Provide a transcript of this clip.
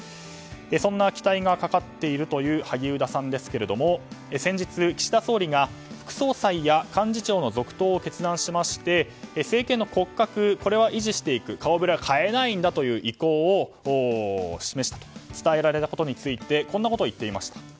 そんな期待がかかっているという萩生田さんですけれども先日、岸田総理が副総裁や幹事長の続投を決断しまして政権の骨格、これは維持していく顔ぶれは変えないんだという意向を示したと伝えられたことについてこんなことを言っていました。